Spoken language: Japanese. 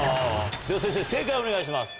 では先生正解をお願いします。